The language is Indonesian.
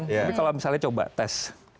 tapi kalau misalnya coba tes